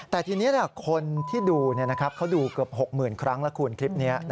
แต่ทีนี้คนที่ดูเขาดูเกือบ๖๐๐๐ครั้งแล้วคุณคลิปนี้